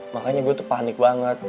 makanya gue tuh panik banget